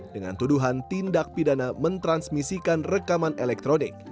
dengan tuduhan tindak pidana mentransmisikan rekaman elektronik